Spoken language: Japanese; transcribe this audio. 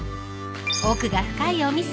［奥が深いお味噌。